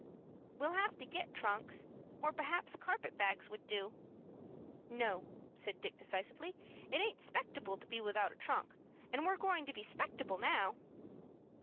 "We'll have to get trunks, or perhaps carpet bags would do." "No," said Dick, decisively, "it aint 'spectable to be without a trunk, and we're going to be 'spectable now."